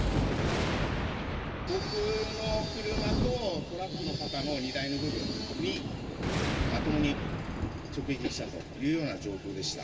僕の車とトラックの方の荷台の部分に、まともに直撃したというような状況でした。